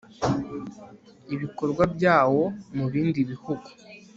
ibikorwa byawo mu bindi bihugu